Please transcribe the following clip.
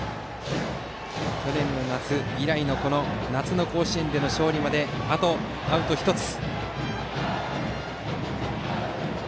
去年夏以来の夏の甲子園での勝利まであとアウト１つ。